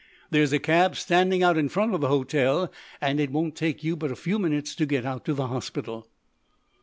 There's a cab standing out in front of the hotel, and it won't take you but a few minutes to get out to the hospital."